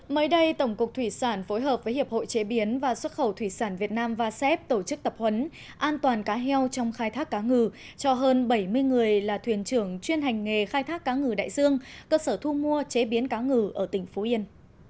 mới đây tổng cục thủy sản phối hợp với hiệp hội chế biến và xuất khẩu thủy sản việt nam vasep tổ chức tập huấn an toàn cá heo trong khai thác cá ngừ cho hơn bảy mươi người là thuyền trưởng chuyên hành nghề khai thác cá ngừ đại dương cơ sở thu mua chế biến cá ngừ ở tỉnh phú yên